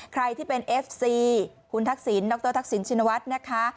ใครที่เป็นเอฟซีคุณทักษิณดรทักษิณชินวัฒน์นะคะ